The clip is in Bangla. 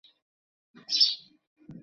আমি ইহার অতীত মহত্ত্বের জন্য ইহাকে ভালবাসি।